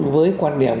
với quan điểm